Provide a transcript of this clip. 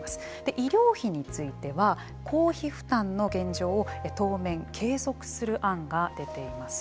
医療費については公費負担の現状を当面継続する案が出ています。